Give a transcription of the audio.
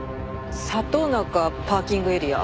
里中パーキングエリア。